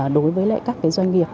đối với lại các cái doanh nghiệp